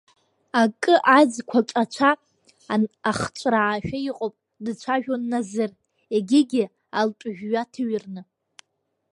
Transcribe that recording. Акы азқәаҿ ацәа ахҵәраашәа иҟоуп, дцәажәон Назыр, егьигьы алтәжәҩа ҭыҩрны.